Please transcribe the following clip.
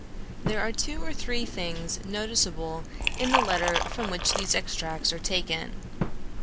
There are two or three things noticeable in the letter from which these extracts are taken.